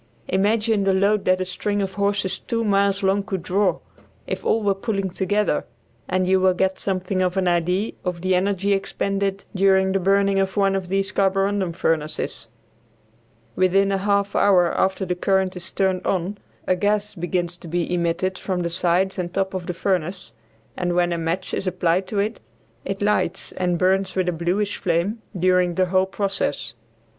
Imagine the load that a string of horses two miles long could draw, if all were pulling together, and you will get something of an idea of the energy expended during the burning of one of these carborundum furnaces. Within a half hour after the current is turned on a gas begins to be emitted from the sides and top of the furnace, and when a match is applied to it, it lights and burns with a bluish flame during the whole process.